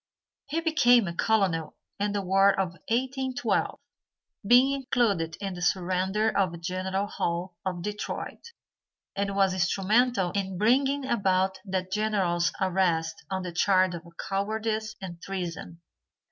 He became a colonel in the war of 1812, being included in the surrender of General Hull, of Detroit, and was instrumental in bringing about that General's arrest on the charge of cowardice and treason.